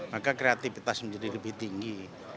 maka kreativitas menjadi lebih tinggi